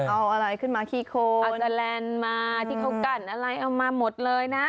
เอาอะไรขึ้นมาขี้โคเอาสแลนด์มาที่เขากั้นอะไรเอามาหมดเลยนะ